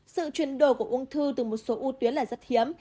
sự chuyển đổi của ung thư từ một số u tuyến là rất hiếm